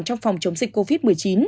trong phòng chống dịch covid một mươi chín